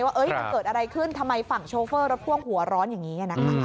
ว่ามันเกิดอะไรขึ้นทำไมฝั่งโชเฟอร์รถพ่วงหัวร้อนอย่างนี้นะคะ